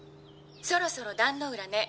「そろそろ壇ノ浦ね。